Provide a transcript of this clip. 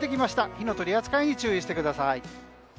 火の取り扱いに注意してください。